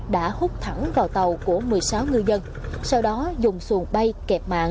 đã hút thẳng vào tàu của một mươi sáu ngư dân sau đó dùng xuồng bay kẹp mạng